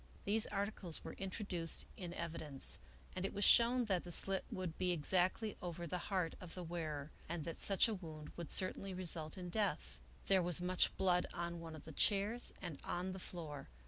These articles were introduced in evidence, and it was shown that the slit would be exactly over the heart of the wearer, and that such a wound would certainly result in death. There was much blood on one of the chairs and on the floor.